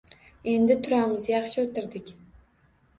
Endi turamiz yaxshi o`tirdik